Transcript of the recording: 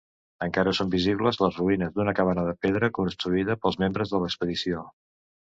Encara són visibles les ruïnes d'una cabana de pedra construïda pels membres de l'expedició.